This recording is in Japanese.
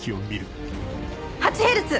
８ヘルツ！